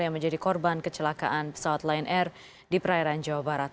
yang menjadi korban kecelakaan pesawat lion air di perairan jawa barat